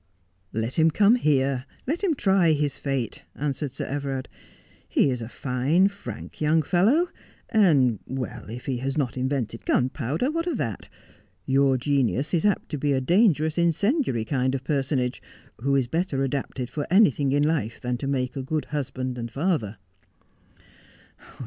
'Let him come here — let him try his fate,' answered Sir Everard. ' He is a fine, frank young fellow — and — well — if he has not invented gunpowder, what of that ? Your genius is apt to be a dangerous incendiary kind of personage, who is better adapted for anything in life than to make a good husband and father.'